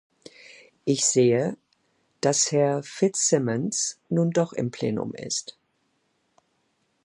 Ich sehe, dass Herr Fitzsimons nun doch im Plenum ist.